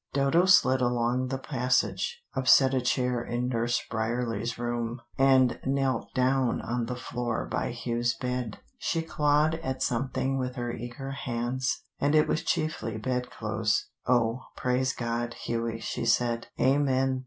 Dodo slid along the passage, upset a chair in Nurse Bryerley's room, and knelt down on the floor by Hugh's bed. She clawed at something with her eager hands, and it was chiefly bed clothes. "Oh, praise God, Hughie," she said. "Amen.